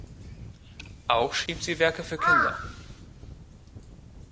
Auch schrieb sie Werke für Kinder.